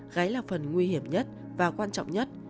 gáy là phần nguy hiểm nhất và quan trọng nhất